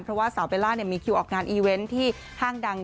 เพราะว่าสาวเบลล่ามีคิวออกงานอีเวนต์ที่ห้างดัง